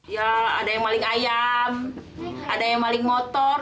ya ada yang maling ayam ada yang maling motor